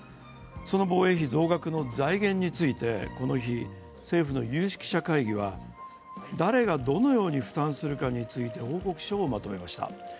その防衛費増額の財源について、この日、政府の有識者会議は誰がどのように負担するかについて報告書をまとめました。